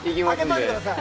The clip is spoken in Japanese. あけといてください。